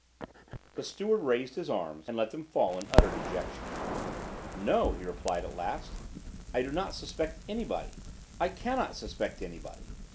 The steward raised his arms and let them fall in utter dejection. "No," he replied at last, "I do not suspect anybody! I cannot suspect anybody!